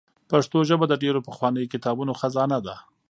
پښتو ژبه د ډېرو پخوانیو کتابونو خزانه ده.